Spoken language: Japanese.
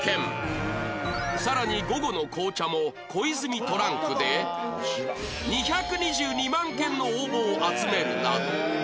さらに午後の紅茶もコイズミトランクで２２２万件の応募を集めるなど